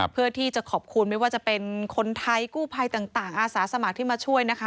เพื่อที่จะขอบคุณไม่ว่าจะเป็นคนไทยกู้ภัยต่างอาสาสมัครที่มาช่วยนะคะ